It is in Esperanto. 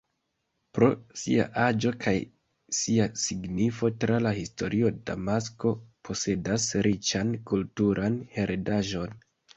Pro sia aĝo kaj sia signifo tra la historio Damasko posedas riĉan kulturan heredaĵon.